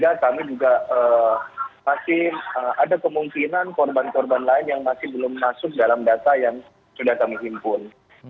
dan kami juga masih ada kemungkinan korban korban lain yang masih belum masuk dalam data yang sudah kami himpun